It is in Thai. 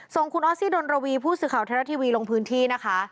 ส่งคุณออสซี่ดนรวีผู้สื่อข่าวไทยรัฐทีวีลงพื้นที่นะคะ